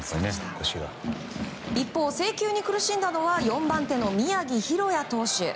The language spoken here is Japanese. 一方、制球に苦しんだのは４番手の宮城大弥投手。